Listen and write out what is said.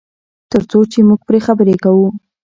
تر څو چې موږ پرې خبرې کوو.